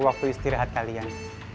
waktu istirahat kalian